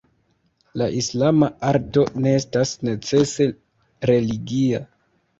La islama arto ne estas necese religia.